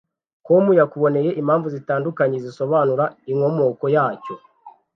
com yakuboneye impamvu zitandukanye zisobanura inkomoko yacyo